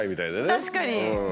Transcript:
確かに。